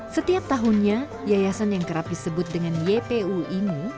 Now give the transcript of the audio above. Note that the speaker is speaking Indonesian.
setiap tahunnya yayasan yang kerap disebut dengan ypu ini